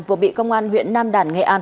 vừa bị công an huyện nam đàn nghệ an